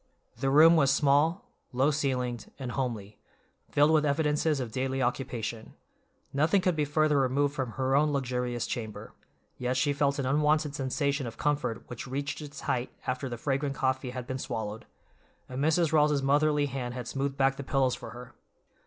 The room was small, low ceilinged, and homely, filled with evidences of daily occupation; nothing could be further removed from her own luxurious chamber, yet she felt an unwonted sensation of comfort which reached its height after the fragrant coffee had been swallowed, and Mrs. Rawls's motherly hand had smoothed back the pillows for her.